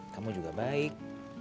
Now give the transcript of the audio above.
kamu juga baik